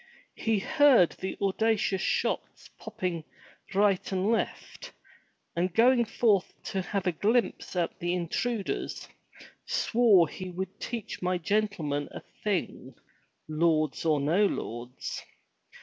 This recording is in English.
He heard the audacious shots popping right and left, and going forth to have a glimpse at the intruders, swore he would teach my gentlemen a thing, lords or no lords.